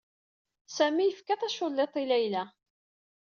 Sami yefka taculliḍt i Layal.